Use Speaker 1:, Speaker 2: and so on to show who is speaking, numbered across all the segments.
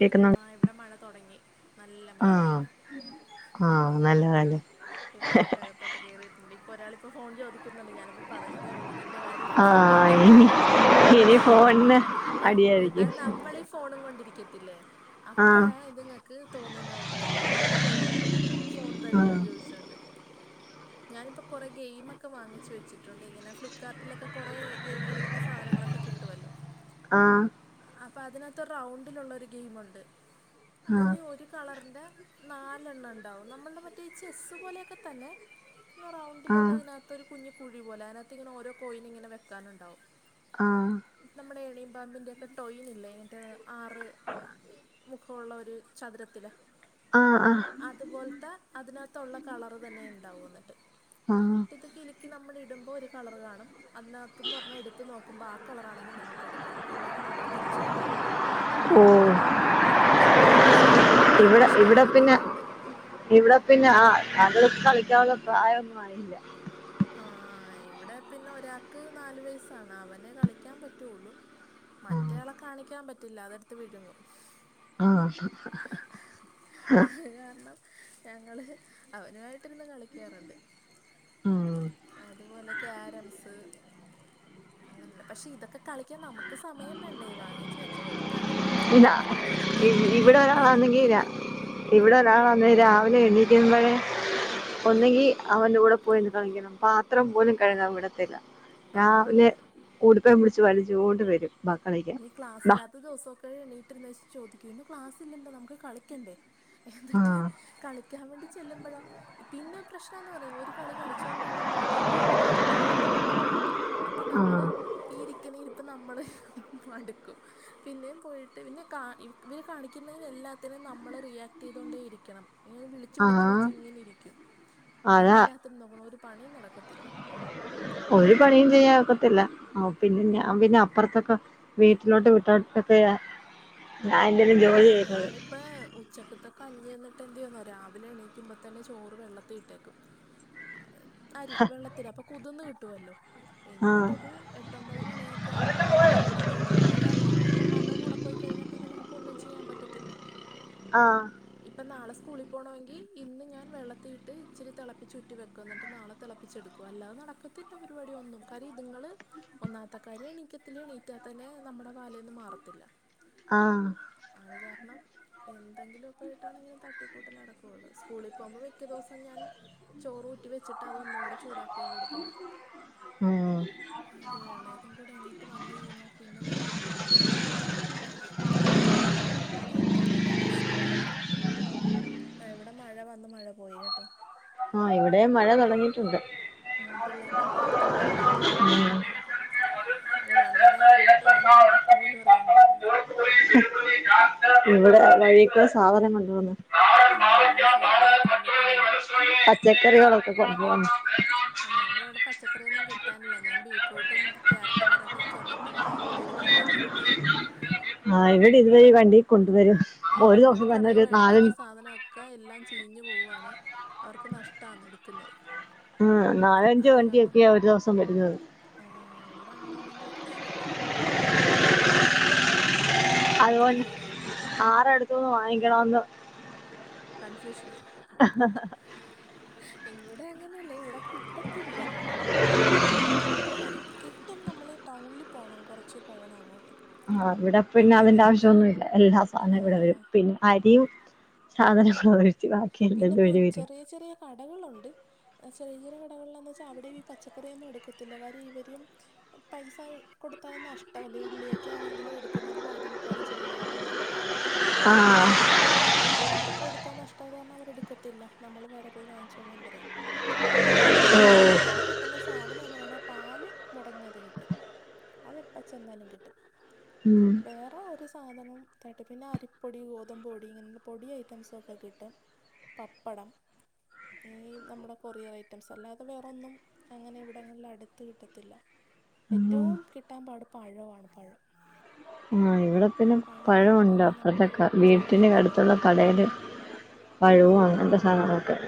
Speaker 1: കേക്കുന്നു
Speaker 2: ആഹാ ഇവടെ മഴ തൊടങ്ങി നല്ല മഴയായി.
Speaker 1: ആഹ് ആഹ് നല്ല കാര്യം
Speaker 2: പിള്ളേരൊക്കെ അകത്തോ - ട്ട് കേറിയിട്ടുണ്ട് ഇപ്പോ ഒരാള് ഇപ്പോ ഫോൺ ചോദിക്കുന്നോണ്ട് ഞാനിപ്പോ പറഞ്ഞതേ ഒള്ള് നിന്റെ കാര്യം. ഇപ്പൊ
Speaker 1: ആഹാ
Speaker 2: ഫോണിന്റത്
Speaker 1: ഇനി ഇനി ഫോൺന്-
Speaker 2: അത് നമ്മളീ ഫോണും കൊണ്ടിരിക്കത്തില്ലേ
Speaker 1: ആഹ്
Speaker 2: അപ്പഴാണ് ഇതിങ്ങക്ക്- തോന് ന്നതെന്ന് തോന്ന് അപ്പം വരും ഫോൺ തരുവോന്ന് ചോയിചോണ്ട്.
Speaker 1: [inaudible]
Speaker 2: ഞാനിപ്പോ കൊറേ ഗെയിമൊക്കെ വാങ്ങിച്ച് വെച്ചിട്ടൊണ്ട് ഇങ്ങനെ ഫ്ലിപ്കാർട്ടിലൊക്കെ കൊറേ ഗെയിം കളിക്കണ സാധനങ്ങളൊക്കെ- കിട്ടുവല്ലോ?
Speaker 1: ആഹാ.. !
Speaker 2: അപ്പ അതിനകത്ത് റൗണ്ടിലുള്ളരു ഗെയിമുണ്ട് അതില് ഒരു കളറിന്റെ- നാലെണ്ണംണ്ടാവും നമ്മൾടെ മറ്റേ ഇ ചെസ്സ് പോലെയൊക്കെതന്നെ. പിന്നെ
Speaker 1: ആഹ് ആഹ്
Speaker 2: റൗണ്ടിലുള്ളതിനകത്ത് ഒരു കുഞ്ഞികുഴിപോലെ, അതിനകത്ത് ഇങ്ങനെ ഓരോ കോയിനിങ്ങനെ വെക്കാനുണ്ടാവും.
Speaker 1: ആഹ്
Speaker 2: നമ്മുടെ എണിം പാമ്പിന്റെ- ടോയിനില്ലേ ഇങ്ങട്ട് ആറ് മുഖള്ളൊരു ചതുരത്തില്.
Speaker 1: ആഹാ... ആഹാ... !
Speaker 2: അതുപോൽത്തെ, അതിനകത്തൊള്ള കളറ്തന്നെണ്ടാവും എന്നിട്ട്.
Speaker 1: ആഹ.. !
Speaker 2: ഇത് കിലുക്കിനമ്മളിടുമ്പോ കളറ്കാണും. അതിനകത്തുന്ന് പറഞ്ഞ ഇടുത്ത്നോക്കുമ്പോ ആ കളറാണെങ്കി നമ്മുക്ക്എടുകാം. ഇല്ലങ്കിന നമ്മള്തിരിച്ച് വെക്കണം,
Speaker 1: ഓഹ്
Speaker 2: അത്‌പഷേ നല്ലരസാ എനിക്ക്.
Speaker 1: ഇവിടെ... ഇവിടെപിന്നെ ഇവിടെ- പിന്നെ ആഹാ അത്‌ കളിക്കഉള്ള പ്രായൊന്നും ആയില്ല.
Speaker 2: ആഹാ ഇവിടെപിന്നെ ഒരാക്ക് നാലുവയസ്സാണ്, അവനെ കളിക്കാൻപറ്റുള്ളു.
Speaker 1: ആഹ്
Speaker 2: മറ്റേയാളെ കാണിക്കാൻപറ്റില്ല അതെടുത്ത് വിഴുങ്ങും.
Speaker 1: ആഹ്
Speaker 2: ആഹാ.. അത് കാരണം- ഞങ്ങള് അവനുവായിട്ടിരുന്ന് കളിക്കാറുണ്ട്.
Speaker 1: ഉം
Speaker 2: അതുപോലെ ക്യാരംസ്. [unintelligible] പക്ഷെഇതൊക്കെ കളിക്കാൻ- നമുക്ക്സമയംവേണ്ടേ, വാങ്ങിച്ച് വെച്ച്കൊടുത്താലും.
Speaker 1: ഇതാ ഇവി ഇവിടെ
Speaker 2: നമുക്ക്
Speaker 1: ഒരാളാണേങ്കിര.
Speaker 2: വേണ്ടേ
Speaker 1: ഇവിടൊരാളാന്നെ രാവിലെ എനിക്കുമ്പഴ്- ഒന്നെങ്കി അവന്റെ കൂടെ പോയിന്ന്കളിക്കണം, പാത്രംപോലും കഴുകാൻവിടത്തില്ല. രാവിലെ
Speaker 2: ആഹ്
Speaker 1: ഉടുപ്പേം മുടിച്ചുവലിചോണ്ട്- വരും വാ കളിക്കാ.
Speaker 2: അല്ലെ ക്ലാസ്സില്ലാത്ത ദിവസൊക്കെ- എണീറ്റിരുന്നേച്ച് ച്ചോദിക്കും, ഇന്ന് ക്ലാസ്സില്ലല്ലോ നമുക്ക്കളിക്കണ്ടേ?
Speaker 1: ആ
Speaker 2: എന്നിട്ട് കളിക്കാൻ വേണ്ടി- ചെല്ലുമ്പോഴോ പിന്ന- പ്രശ്നന്ന്പറയും ഒരുകളി കളിച്ചോണ്ടിരിക്കുമ്പോഴത്തേക്ക് ഇവനഅടുത്തകളിക്ക് വേണ്ടിപോവും. അപ്പ
Speaker 1: ആ
Speaker 2: നമ്മള് ഈ ഇരിക്കിണിഇരിപ്പ് നമ്മള്. മടുക്കും പിന്നെയുംപോയിട്ട് പിന്നെ കാ ഇവര്- ഇവർകാണിക്കുന്നതിഎല്ലാത്തിനും നമ്മള്റിയാക്- തിതോണ്ടെഇരിക്കണം വിള- വിളിച്ചു
Speaker 1: ആ
Speaker 2: വിളിച്ചുവിളിച്ച്
Speaker 1: അതാ
Speaker 2: ഇങ്ങനെഇരിക്കുംഎല്ലാത്തിനും, നമ്മാളൊരുപണിം നടക്കത്തില്ല.
Speaker 1: ഒരു പണിയും ചെയ്യാഒക്കത്തില്ല. ആഹാ പിന്നെ ഞാൻ പിന്നെ- അപ്പൊറത്തൊക്കെ. വീട്ടിലോട്ട് വിട്ടോട്ടക്കെയ ഞാൻ- എന്തേലും ജോലി ചെയ്യുന്നത്.
Speaker 2: അപ്പോ ഉച്ചക്ക്ത്തെകഞ്ഞിയെന്നിട്ട് എന്തുയുന്നോ, രാവിലെ എണീക്കുമ്പോതന്നെ ചോറ് വെള്ളത്തിഇട്ടേക്കും. അരി വെള്ളത്തില് അപ്പോ കുതന്ന് കിട്ടുവല്ലോ
Speaker 1: ആ
Speaker 2: എന്നിട്ടൊരു- എട്ടൊമ്പത് മണിയോ ക്കെയാവുമ്പോ അടപ്പെ ലെടുത്ത്ഇടും ക്കര അല്ലെങ്കി ഇവമ്മാർടെ കൂടെ പോയി കഴിഞ്ഞ- പിന്നെ നമുക്ക്- കൊന്നും ചെയ്യാൻപറ്റത്തില്ല.
Speaker 1: ആഹാ!
Speaker 2: ഇപ്പം നാളെ സ്കൂളിപോണോങ്കി- ഇന്ന്ഞാൻ വെള്ളത്തിയിട്ട് ഇച്ചിരി തിളപ്പിചൂറ്റിവെക്കും എന്നിട്ട് നാളെ- തിളപ്പിച്ചെടുക്കും അല്ലാതെ നടക്കത്തില്ല പരിപാടിയൊന്നും. കാര്യം ഇതുങ്ങള്. ഒന്നാത്ത കാര്യം എണീക്കത്തില്ല എണീറ്റാതന്നെ നമ്മടെവാലെന്ന് മാറത്തില്ല.
Speaker 1: ആഹ്.
Speaker 2: അത് കാരണം എന്തെങ്കിലും ഉപ്പിലിട്ടാണെങ്കിലും തട്ടിക്കൂട്ടലടക്കൊള്ളൂ സ്കൂളിൽ പോകുമ്പോമിക്കദിവസം ഞാൻ ചോറൂറ്റിവെച്ചിട്ട് അതൊന്നുകൂടെ ചൂടാക്കിയാകൊടുക്കുന്നെ.
Speaker 1: ഉം.
Speaker 2: ആരെ എളേതുംകൂടെ എണീറ്റ് വന്ന്കഴിഞ്ഞാപിന്നെ നമുക്ക് ഒന്നും നടക്കത്തില്ല. അതേറ്റോം വല്യപ്രശ്നമായിമാറും ആ ഇവിടെ മഴവന്ന് മഴപോയിയട്ടോ
Speaker 1: ആ ഇവിടെ മഴ തുടങ്ങിയിട്ടുണ്ട്
Speaker 2: മ്മ് പിള്ളേർടെ പ്രാർത്ഥന കേട്ടംന്ന് തോന്നുന്നു. മഴ വന്നതാ എങ്ങോട്ട് പോയന്ന് മഴക്ക്പോലും അറിയാൻപാടില്ല.
Speaker 1: ഇവിടെ വഴിക്ക് സാധനം കൊണ്ട്ന്ന്
Speaker 2: ആഹ് സ്വരം കേൾക്കാൻ പറ്റുന്നുണ്ട്.
Speaker 1: പച്ചക്കറികളൊക്കെ കൊണ്ടുന്ന്
Speaker 2: ആ ഞങ്ങടെ ഇവിടെ പച്ചക്കറിയൊന്നും കിട്ടാനില്ല ഞാൻ ബീടറൂട്ടും കാരറ്റു [unintelligible] ട്ട് ആകെക്കൂടി ഒരു ക്യാബേജാ കിട്ടിയത്.
Speaker 1: ആ ഇവിടെ ഇതുവഴി വണ്ടി കൊണ്ട്വരും ഒരു ദിവസം തന്നെ ഒരു നാലും
Speaker 2: ഒക്ക എല്ലാം ചീഞ്ഞു പോവാണ് അവർക്ക് നഷ്ട്ടാന്ന് എടുക്കുന്നത്
Speaker 1: ഉം നാലഞ്ച് വണ്ടിയൊക്കെയ ഒരു ദിവസം വരുന്നത്.
Speaker 2: ആ ഇവിടെ അങ്ങനെ ഒന്നും കിട്ടാനില്ല.
Speaker 1: അത്പോ
Speaker 2: അത്ര നേരായിട്ട് നോക്കി
Speaker 1: ആറടുത്തൂന്ന് വാങ്ങിക്കണോന്ന്
Speaker 2: കൺഫ്യൂഷനാ ഇവിടെ അങ്ങനെയല്ല ഇവിടെ കിട്ടത്തില്ല. കിട്ടാൻ വേണ്ടി ഞങ്ങള് കിട്ടും നമ്മൾ ടൗണിൽ പോണം കുറച്ച് പോണം അങ്ങോട്ട്
Speaker 1: ആഹ് ഇവിടെ പിന്നെ
Speaker 2: എന്നാലേ
Speaker 1: അതിന്റെ
Speaker 2: കിട്ടുള്ളൂ
Speaker 1: ആവശ്യന്നുംല്ല എല്ലാ സാധനവും ഇവിടെ വരും
Speaker 2: ആ
Speaker 1: പിന്നെ അരിയും സാധനങ്ങളും ഒഴിച്ച് ബാക്കി എല്ലാ ഇതുവഴിവരും
Speaker 2: കടകളൊണ്ട് ചെറിയ ചെറിയ കടകളിൽന്ന്ച്ചാൽ അവിടെയും ഈ പച്ചക്കറിയൊന്നും എടുക്കത്തില്ല കാര്യം ഇവരും പൈസ കൊടുത്താലും നഷ്ട്ടല്ലേ ഉള്ളിയൊക്കെ ആണെങ്കിലും എടുക്കുന്നതിന്റെ പകുതി മുക്കാലും ചീഞ്ഞാന്നാ അവര് പറയുന്നെ
Speaker 1: ആഹ്
Speaker 2: അപ്പൊ അത് കാരണം അവർക്കും എടുത്താ നഷ്ടമായത് അവര് എടുക്കത്തില്ല നമ്മള് വേറെ പോയി വാങ്ങിച്ചോള്ളാൻ പറയും രാക്കൂടി
Speaker 1: ഓ
Speaker 2: മുടങ്ങാതെ കി കിട്ടുന്ന സാധനംന്ന് പറയണത് പാല് മുടങ്ങാതെ കിട്ടും അത് എപ്പ ചെന്നാലും കിട്ടും
Speaker 1: ഉം
Speaker 2: വേറെ ഒരു സാധനം [unintelligible] പിന്നെ അരിപ്പൊടി ഗോതമ്പ് പൊടി ഇങ്ങനെ പൊടി ഐറ്റംസ് തൊക്കെ കിട്ടും പപ്പടം ഈ നമ്മുടെ കൊറിയർ ഐറ്റംസ് അല്ലാതെ വേറൊന്നും അങ്ങനെ ഇവിടങ്ങളിൽ അടുത്ത് കിട്ടത്തില്ല
Speaker 1: ആഹ്
Speaker 2: ഏറ്റോം കിട്ടാൻ പാട് പഴാണ് പഴം
Speaker 1: ഇവിടെപ്പിന്നെ പഴം ഉണ്ട്
Speaker 2: കിട്ടണമെങ്കിൽ നമ്മൾ
Speaker 1: അപ്പർത്തെ വീട്ടിന്
Speaker 2: ചന്തയിൽ തന്നെ
Speaker 1: അടുത്തുള്ള
Speaker 2: പോകണം
Speaker 1: കടേല് പഴവും അങ്ങനത്തെ സാധനങ്ങളൊക്കെണ്ട്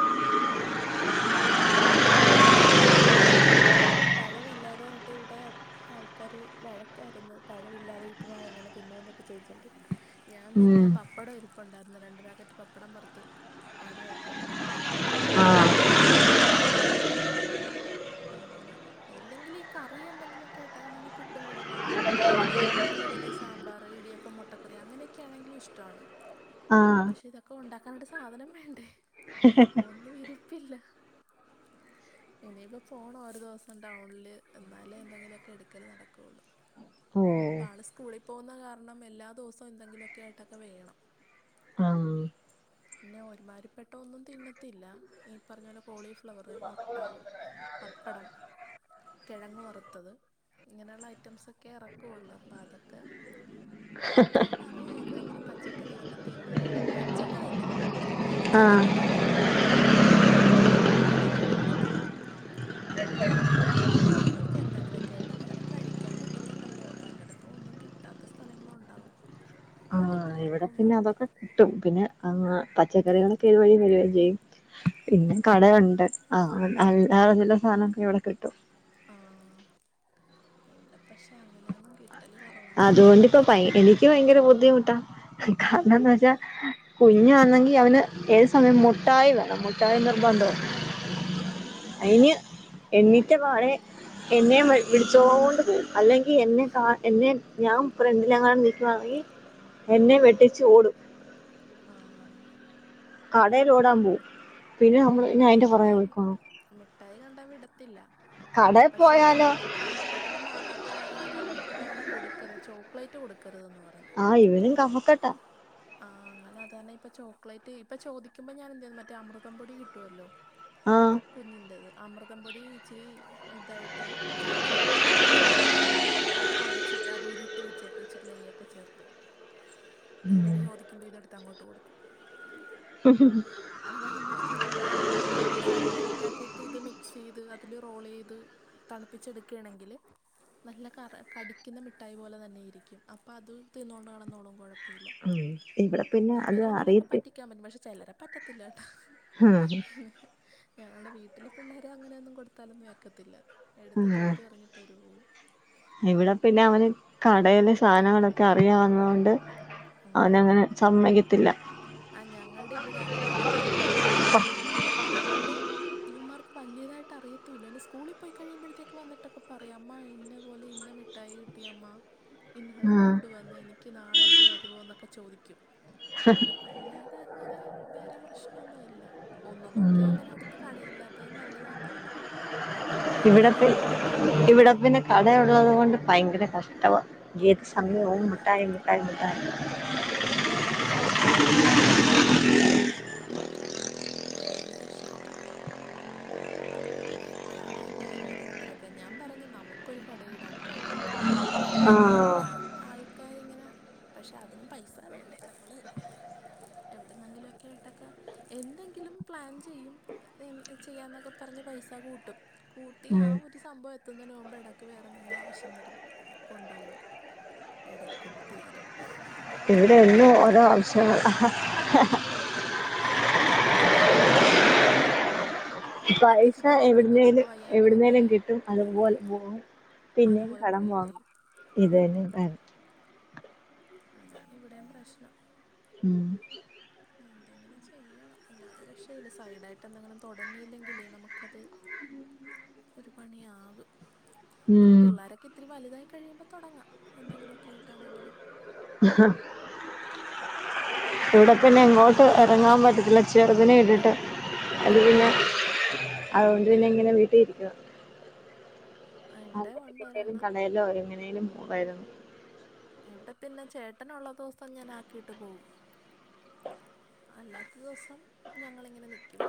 Speaker 2: ആഹ് ഇവിടെ പഴവില്ല. ഇന്ന് രാവിലെ ഉപ്പ്മാവൊണ്ടാക്കിട്ട് പഴവില്ലാതായിട്ട് ഇവിടെ ആൾക്കാര് വഴക്കാരുന്ന് പഴവില്ലാതെ ഉപ്പ്മാവ് എങ്ങനെ തിന്നൂന്നൊക്കെ ചോദിച്ചോണ്ട് ഞാൻ
Speaker 1: ഉം
Speaker 2: പിന്നെ പപ്പടം ഇരിപ്പുണ്ടായിരുന്നു രണ്ട് പാക്കറ്റ് പപ്പടം വർത്ത് അതുവായിട്ട് കൊടു പപ്പടം കണ്ട് കഴിഞ്ഞാ പിന്നെ
Speaker 1: ആഹ്
Speaker 2: അതുവഴി പൊക്കോളും അങ്ങനെ ഇല്ലെങ്കിൽ ഈ കറി എന്തെങ്കിലുമൊക്കെയാട്ടാണെങ്കിൽ പുട്ടും കടലേവോ ഇല്ലെങ്കിൽ ഇഡ്ഡലി സാമ്പാറ് ഇടിയപ്പം മുട്ടക്കറി അങ്ങനെയൊക്കെയാണെങ്കിലും ഇഷ്ട്ടാണ്
Speaker 1: ആഹ്
Speaker 2: പക്ഷെ ഇതൊക്കെ ഒണ്ടാക്കാനായിട്ട് സാധനം വേണ്ടേ ഒന്നും ഇരിപ്പില്ല. ഇനീപ്പോ ഫോൺ ഒരു ദിവസം ഡൗണില് എന്നാലേ എന്തെങ്കിലുമൊക്കെ എടുക്കല് നടക്കുള്ളൂ
Speaker 1: ഓഹ്
Speaker 2: പ്പാള് സ്കൂളിൽ പോകുന്ന കാരണം എല്ലാ ദിവസവും എന്തെങ്കിലുമൊക്കെ ആയിട്ടൊക്കെ വേണം
Speaker 1: ഉം
Speaker 2: പിന്നെ ഒരുമാതിരി പെട്ട ഒന്നും തിന്നത്തില്ല ഈ പറഞ്ഞ പോലെ കോളിഫ്ലവറ് മുട്ട പപ്പടം കിഴങ്ങ് വറുത്തത് ഇങ്ങനെയുള്ള ഐറ്റംസൊക്കെ ഇറക്കുയുള്ളൂ അപ്പം അതൊക്കെ ഞാൻ പറയും എന്തെങ്കിലും പച്ചക്കറിയൊക്കെ തിന്നണന്ന് പച്ചക് തിന്നും
Speaker 1: ആഹ്
Speaker 2: വേവിച്ചതിന്നതില്ല അങ്ങനെയാണ് ഇവിടുത്തെ കളി
Speaker 1: [inaudible]
Speaker 2: ആ പിന്നെ ഞാനക്കെ എന്തെങ്കിലൊക്കെ ആയിട്ടാണെങ്കിലും കഴിക്കാൻ കിട്ടുന്നുണ്ടല്ലോ പലയിടത്തും ഒന്നും കിട്ട ട്ടാത്ത സ്ഥലങ്ങള ഉണ്ടാവും
Speaker 1: ആ
Speaker 2: അതൊക്കെ
Speaker 1: ഇവിടെ പിന്നെ
Speaker 2: ഓർക്കുമ്പോൾ
Speaker 1: അതൊക്കെ കിട്ടും പിന്നെ ആ പച്ചക്കറികളൊക്കെ ഇതുവഴി വരികയും ചെയ്യും പിന്നെ കടയുണ്ട് ആ അല്ല ചില്ല സാധനക്ക ഇവിടെ കിട്ടും
Speaker 2: ആഹ ഇവിടെ പക്ഷെ അങ്ങനെയ ഒന്നും കിട്ടല് കൊ
Speaker 1: അതുകൊണ്ട് ഇപ്പ എനിക്ക് ഭയങ്കര ബുദ്ധിമുട്ടാ കാരണംന്ന്
Speaker 2: ഉം
Speaker 1: വെച്ചാ കുഞ്ഞാണെങ്കി അവന് ഏത് സമയം മുട്ടായി വേണം മുട്ടായി നിർബന്ധ
Speaker 2: ആ
Speaker 1: അയ്ന എന്നിട്ട വാടെ എന്നെ വിടിച്ചൊണ്ട് പോകും അല്ലെങ്കിൽ എന്നെ കാ എന്നെ ഞാൻ ഫ്രണ്ടിലങ്ങാണം നിക്കുവാണെങ്കി എന്നെ വെട്ടിച്ചു ഓടും
Speaker 2: ആഹ
Speaker 1: കടയില ഓടാൻ പോവും പിന്നെ നമ്മള്
Speaker 2: ആ ഇവിടെ മിഠായി കണ്ടാ വിടത്തില്ല
Speaker 1: കടയിൽ
Speaker 2: പക്ഷെ
Speaker 1: പോയാലോ
Speaker 2: ഇത്ങ്ങക്ക് കപ ക്കെട്ടൽ മാറാത്ത കാരണം ഞങ്ങത്ത് പറഞ്ഞു കൊടുക്കരു ചോക്ലേറ്റ് കൊടുക്കരുതെന്ന് പറഞ്ഞു
Speaker 1: ആഹ് ഇവനും കഫക്കെട്ടാ
Speaker 2: ആഹ്ങ്ങനെ അതാരാണപ്പ ചോക്ലലേറ്റ് ഇപ്പൊ ചോദിക്ക്പോ ഞൻ എന്ത് ചെയ മറ്റേ അമൃതം പൊടി കി ട്ടൂല്ലോ
Speaker 1: ആഹ
Speaker 2: കുഞ്ഞിൻ്റേത് അമൃതം പൊടി ഇച്ചിരി ഇതായിട്ട് ശർക്കരയും കൂടെ ചേർത്ത് അത് കുഴച്ചിട്ട് അത് ഉരുട്ടി വെച്ചേക്കും ഇച്ചിരി നെയ്യൊക്കെ ചേർത്ത്
Speaker 1: [inaudible]
Speaker 2: എന്നിട്ട് ചോദിക്കുമ്പോ ഇതെടുത്ത് അങ്ങോട്ട് കൊടുക്കും
Speaker 1: ഉ [unintelligible]
Speaker 2: അതാകുമ്പോഴത്തേക്ക് അത് മറ്റേ പഞ്ചസാര മെൽറ്റ് ആക്കിയിട്ട് ഇത് മിക്സ് ചെയ്ത് അതില് റോൾ ചെയ്ത് തണുപ്പിച്ചെടുക്കുകയാണെങ്കിൽ നല്ല കറ കടിക്കുന്ന മിഠായി പോലെ തന്നെയിരിക്കും അപ്പൾ അത് തിന്നുകണ്ടണ്ട് കാണന്നോളും കുഴപ്പം ല്ല
Speaker 1: ഉം. ഇവിടെ പിന്നെ അത്
Speaker 2: ഇവരെ അങ്ങനെയൊക്കെ
Speaker 1: അറിയത്തി
Speaker 2: പറ്റിക്കാൻ പറ്റും പക്ഷെ ചിലരെ പറ്റത്തില്ല കേട്ടാ
Speaker 1: ഹം [inaudible]
Speaker 2: പിന്ന ഞങ്ങളുടെ വീട്ടിലെ പിള്ളേരെ അങ്ങനെയൊന്നും കൊടുത്താലൊന്നും ഏക്കത്തില്ല എടുത്ത
Speaker 1: ഉം.
Speaker 2: ദൂരെറിഞ്ഞിട്ടരു
Speaker 1: ഇവിടെ പിന്നെ അവന് കടയിലെ സാധനങ്ങളൊക്കെ അറിയാവന്ന കൊണ്ട്
Speaker 2: ഉം
Speaker 1: അവനങ്ങനെ സമ്മയ്ക്കത്തില്ല
Speaker 2: ആ ഞങ്ങളുടെ ഇവിടെ അങ്ങനെ അടുത്ത ഒത്തിരി കടയൊന്നും ഇല്ല ചിലപ്പോ അതുകൊണ്ട് ഇവന്മാർക്ക് വലിയതായിട്ട് അറിയത്തൂല്ല സ്കൂളിൽ പോയി കഴിയുമ്പോഴത്തേക്ക് വന്നിട്ടൊക്കെ പറയാം അമ്മ ഇന്ന പോലെ ഇന്നെ മിട്ടായി കിട്ടിയമ്മ ഇന്നൾ
Speaker 1: ആ
Speaker 2: കൊണ്ടുവന്ന് എനിക്ക് നാളെ ഇത് തരുമോ എന്നൊക്കെ ചോദിക്കും
Speaker 1: [inaudible]
Speaker 2: അല്ലാതെ അങ്ങനെ വേറെ പ്രശ്നൊന്നുല്ല ഒന്ന് നോക്കിയാ
Speaker 1: ഉം.
Speaker 2: അങ്ങനെ അടുത്ത് അടുത് കടയില്ലാത്തത് നല്ലതാന്ന് തോന്നുന്ന അല്ലെങ്കിൽ ഏത് നേരംഇത വാങ്ങിക്കാന നേരം കാണുമന്ന്
Speaker 1: അവിടെ ഉള്ളത് കൊണ്ട് ഭയങ്കര കഷ്ടമാണ് ജീത സമയവും
Speaker 2: ആ
Speaker 1: മുട്ടായി മുട്ടായി മുട്ടായി
Speaker 2: എവിടെ എന്തായാലും ഭാഗ്യത്തിനില്ല അതുകൊണ്ട് രക്ഷപ്പെട്ട്
Speaker 1: [inaudible]
Speaker 2: ഇനി എപ്പോഴാണോ എന്തോ ഓരോരുത്തരൊക്കെ ഞാൻ പറഞ്ഞു നമുക്കൊരു കടയിടാം കാര്യം അടുത്തങ്ങെ ഇല്ല ആൾക്കാരിങ്ങനെ പക്ഷെ അതിനും പൈസ വേണ്ടേ നമ്മള് എവിടുന്നെങ്കിലും ഒക്കെ കേട്ടക്ക എന്തെങ്കില ഒരിക്കലും പ്ലാൻ ചെയ്യും ചെയ്യാ എന്നൊക്കെ പറഞ്ഞ് പൈസ കൂട്ടും കൂട്ടി ആ
Speaker 1: ഉം
Speaker 2: ഒരു സംഭവം എത്തുന്നതിന് മുമ്പേക്ഇടക്ക് വേറെ എന്തെങ്കിലും ആവശ്യം വരും കൊണ്ടു പോകും എടുക്കും തീരും
Speaker 1: ഇവിടെ ഇന്നും ഓരോ
Speaker 2: അതാണ്
Speaker 1: ആവശ്യങളാ
Speaker 2: ആ അത് നമ്മൾ പ്രതീക്ഷിക്കാതെ കൊറെ വരും ഇപ്പം
Speaker 1: പൈസ
Speaker 2: പ്രത്യേകിച്ച് ഇപ്പം കുഞ്ഞുങ്ങൾക്കൊക്കെ
Speaker 1: എവിടുന്നേലും
Speaker 2: വയ്യാണ്ട് വന്നാൽ
Speaker 1: എവിടുന്നേലും കിട്ടും അതുപോലെ പോവും പിന്നെയും
Speaker 2: അതുപോലെ
Speaker 1: കടം
Speaker 2: പോവുകയും
Speaker 1: വാങ്ങും
Speaker 2: ചെയ്യും
Speaker 1: ഇത്
Speaker 2: ആ,
Speaker 1: തന്നെ
Speaker 2: അതാണ് ഇവിടെയും പ്രശ്നം
Speaker 1: ഉം
Speaker 2: എന്തെങ്കിലും ചെയ്യണം അല്ലാതെ രക്ഷയില്ല സൈഡായിട്ട് എന്തെങ്കിലും തുടങ്ങിയില്ലെങ്കിലേ നമുക്കത് ഒരു പണിയാകും. ഇനിയിപ്പോ
Speaker 1: ഉം
Speaker 2: പിള്ളോരൊക്കെ ഇത്തിരി വലുതായി കഴിയുമ്പോ തുടങ്ങാം എന്തെങ്കിലുമൊക്കെ ആയിട്ടാണെങ്കിലും
Speaker 1: ഇവിടെ പിന്നെ എങ്ങോട്ട്
Speaker 2: അങ്ങനെ
Speaker 1: എ എറങ്ങാൻ പറ്റത്തില്ല ചെറുതിനെ ഇട്ടിട്ട് അത്
Speaker 2: ആ
Speaker 1: പിന്നെ അതുകൊണ്ട് പിന്നെ ഇങ്ങനെ വീട്ടിലിരിക്കുവാ ആ
Speaker 2: ഇവിടെ ഉണ്ട്
Speaker 1: ഒറ്റക്കെവിടേലും
Speaker 2: ഒരെണ്ണം
Speaker 1: കടേല്ലോ എങ്ങനേലും പോവമായിരുന്നു.
Speaker 2: ഇവിടെ പിന്നെ ചേട്ടനുള്ള ദിവസം ഞാൻ ആക്കിയിട്ട് പോവും. അല്ലാത്ത ദിവസം ഞങ്ങളിങ്ങനെ നിയ്ക്കും.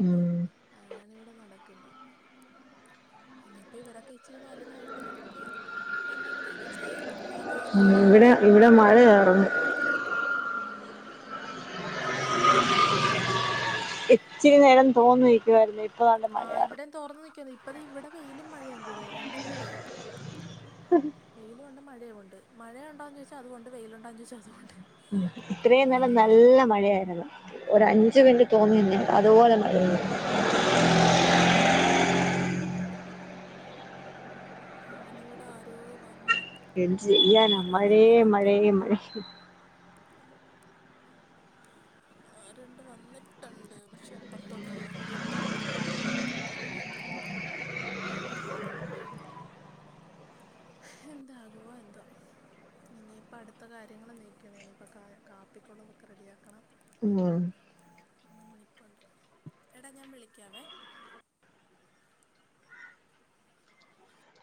Speaker 1: ഉം
Speaker 2: അതാണിവിടെ നടക്കുന്നത്. ഇനിയിപ്പ ഇവരൊക്കെ ഇച്ചിരി വലുതായിട്ട് നമുക്ക് എന്തെങ്കിലുമൊക്കെ ചെയ്യാം. അതേ ഇനി
Speaker 1: ഉം ഇവിടെ
Speaker 2: നടക്കുള്ളൂ
Speaker 1: ഇവിടെ മഴയായിരുന്നു
Speaker 2: ഉം ഇവിടേം മഴ നന്നായിട്ട് തുടങ്ങിയിട്ടുണ്ട് ഇപ്പം.
Speaker 1: ഇച്ചിരി നേരം തോന്ന് നിക്കുവായിരുന്നു. ഇ
Speaker 2: ആ ഇവിടേം തോർന്ന് നിയ്ക്കുവായിരുന്നു. ഇപ്പതേ ഇവിടെ വെയിലുംമഴയും കൂടിയാ രണ്ടും കൂടെയാണ് വെയിലൂണ്ട് മഴയും ഉണ്ട്. മഴ ഉണ്ടോന്ന് ചോയ്ച്ചാ അതൂഉണ്ട് വെയിലുണ്ടോന്ന് ചോയ്ച്ചാ അതൂഉണ്ട്.
Speaker 1: ഇത്രയും നേരം നല്ല മഴയായിരുന്നു. ഒരഞ്ചു മിനിറ്റ് തോന്നിന്നു അതുപോലെ മഴയാ
Speaker 2: ഉം അങ്ങനെ ഇവിടെ ആരോ വന്നു
Speaker 1: എന്ത് ചെയ്യാനാ മഴയേ
Speaker 2: ആരാണെന്നറിയത്തില്ല
Speaker 1: മഴയേ മഴയേ
Speaker 2: ആരണ്ട് വന്നിട്ടുണ്ട്. പക്ഷേ അപ്പുറത്തോട്ടാണ് നമ്മുടെ ഇങ്ങോട്ടല്ല അങ്ങോട്ട് പോവാണ്. അങ്ങനെ എന്താകുവോ എന്തോ ഇനിയിപ്പോ അടുത്ത കാര്യങ്ങള് നീക്കണം ഇനിയിപ്പോ കാ കാപ്പിക്കുള്ളതൊക്കെ റെഡിയാക്കണം.
Speaker 1: ഉം
Speaker 2: നിപ്പുണ്ട് എടാ ഞാൻ വിളിക്കാവേ